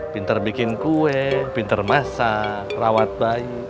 pinter bikin kue pinter masak rawat bayi